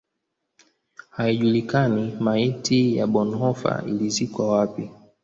Haijulikani maiti ya Bonhoeffer ilizikwa wapi.